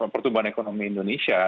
pertumbuhan ekonomi indonesia